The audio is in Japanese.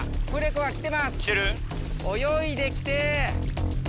泳いで来て。